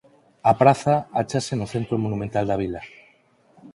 A praza áchase no centro monumental da vila.